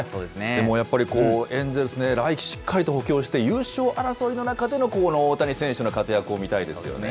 でもやっぱり、エンジェルスね、来季、しっかり補強して、優勝争いの中でのこの大谷選手の活躍を見たいですよね。